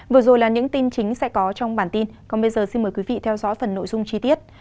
vừa rồi là những tin chính sẽ có trong bản tin còn bây giờ xin mời quý vị theo dõi phần nội dung chi tiết